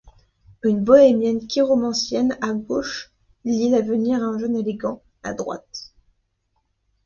Une bohémienne chiromancienne, à gauche, lit l’avenir à un jeune élégant, à droite.